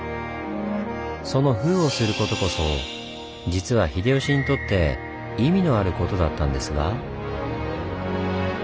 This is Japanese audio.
その封をすることこそ実は秀吉にとって意味のあることだったんですが。